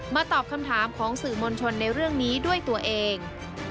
ตอบคำถามของสื่อมวลชนในเรื่องนี้ด้วยตัวเอง